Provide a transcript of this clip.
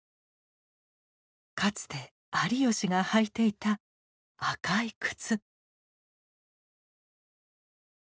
かつて有吉が履いていた赤い靴。